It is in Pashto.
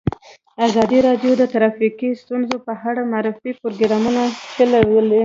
ازادي راډیو د ټرافیکي ستونزې په اړه د معارفې پروګرامونه چلولي.